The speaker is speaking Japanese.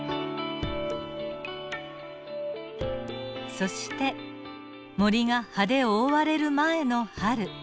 そして森が葉で覆われる前の春。